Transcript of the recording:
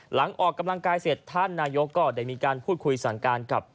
หลังออกกำลังกายเสร็จท่านนายกก็ได้มีการพูดคุยสั่งการกับ